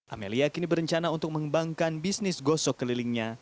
amelia kini berencana untuk mengembangkan bisnis gosok kelilingnya